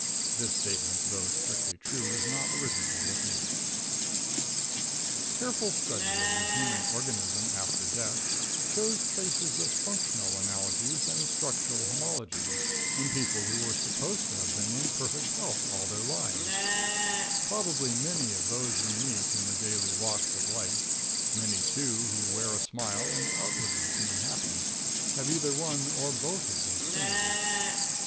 (This statement, though strictly true, is not original with me.) Careful study of the human organism after death, shows traces of functional analogies and structural homologies in people who were supposed to have been in perfect health all their lives Probably many of those we meet in the daily walks of life, many, too, who wear a smile and outwardly seem happy, have either one or both of these things.